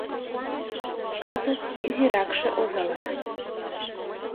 Кызыт изиракше озалана.